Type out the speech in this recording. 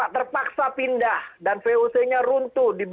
terpaksa pindah dan voc nya runtuh